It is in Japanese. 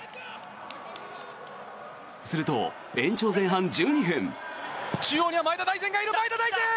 すると延長前半１２分。